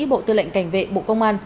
bộ tư lệnh cảnh vệ bộ công an